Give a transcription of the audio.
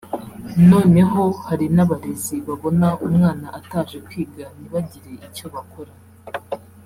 noneho hari n’abarezi babona umwana ataje kwiga ntibagire icyo bakora